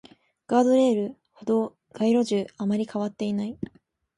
ガードレール、歩道、街路樹、あまり変わっていない